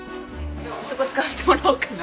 そこ使わせてもらおうかな。